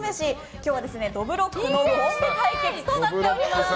今日はどぶろっくのコンビ対決となっております。